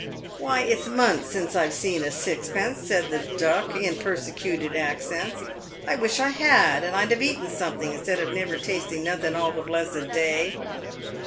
" Why, it's months since I've seed a sixpence," said the Duck, in persecuted accents. " I wish I had, and I'd have eaten somethin' in stead of never tasting nothen all the blessed day."